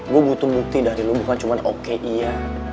gue butuh bukti dari lu bukan cuma oke iya